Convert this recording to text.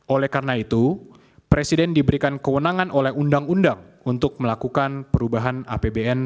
oleh karena itu presiden diberikan kewenangan oleh undang undang untuk melakukan perubahan apbn